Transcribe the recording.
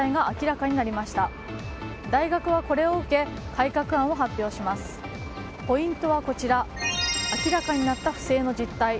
明らかになった不正の実態。